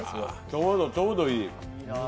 ちょうどいい。